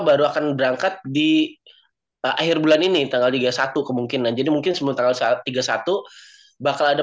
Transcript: baru akan berangkat di akhir bulan ini tanggal tiga puluh satu kemungkinan jadi mungkin sebelum tanggal tiga puluh satu bakal ada